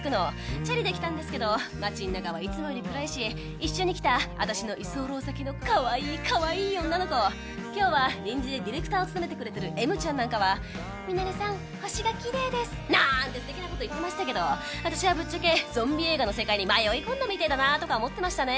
チャリで来たんですけど町ん中はいつもより暗いし一緒に来た私の居候先のかわいいかわいい女の子今日は臨時でディレクターを務めてくれてるＭちゃんなんかは「ミナレさん星がきれいです」なんて素敵な事言ってましたけど私はぶっちゃけゾンビ映画の世界に迷い込んだみてえだなとか思ってましたね。